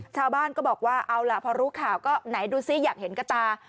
ชาวบ้านก็บอกว่าเอาล่ะพอรู้ข่าวก็ไหนดูซิอยากเห็นกระตา